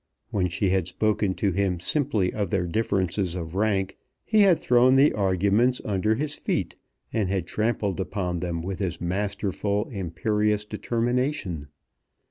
When she had spoken to him simply of their differences of rank he had thrown the arguments under his feet, and had trampled upon them with his masterful imperious determination.